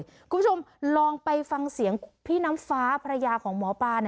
คุณผู้ชมลองไปฟังเสียงพี่น้ำฟ้าภรรยาของหมอปลา